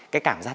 cái cảm giác